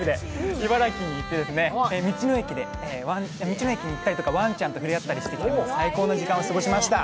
茨城に行って道の駅に行ったりとかわんちゃんと触れ合ったりとかして最高の時間を過ごしました。